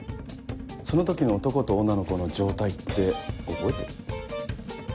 その時の男と女の子の状態って覚えてる？